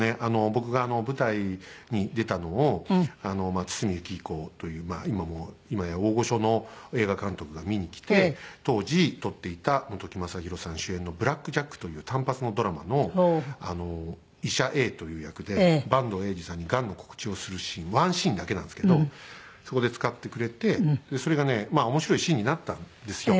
僕が舞台に出たのを堤幸彦という今もう今や大御所の映画監督が見に来て当時撮っていた本木雅弘さん主演の『ブラック・ジャック』という単発のドラマの医者Ａという役で板東英二さんにがんの告知をするシーンワンシーンだけなんですけどそこで使ってくれてそれがねまあ面白いシーンになったんですよ